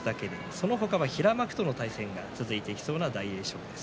そのあとは平幕との対戦が続いていきそうな大栄翔です。